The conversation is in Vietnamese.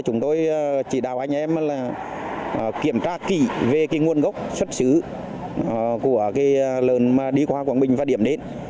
chúng tôi chỉ đào anh em kiểm tra kỹ về nguồn gốc xuất xứ của lợn đi qua quảng bình và điểm đến